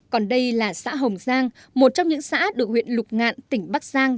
còn đây là xã hồng giang một trong những xã được huyện lục ngạn tỉnh bắc giang